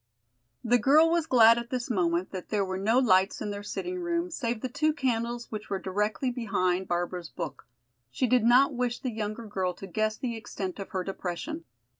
The girl was glad at this moment that there were no lights in their sitting room save the two candles which were directly behind Barbara's book. She did not wish the younger girl to guess the extent of her depression.